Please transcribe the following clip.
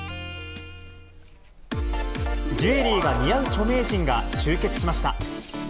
ジュエリーが似合う著名人が集結しました。